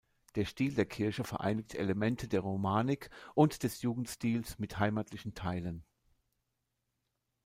Der Stil der Kirche vereinigt Elemente der Romanik und des Jugendstils mit „heimatlichen“ Teilen.